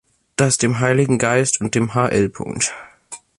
Das dem Heiligen Geist und dem hl.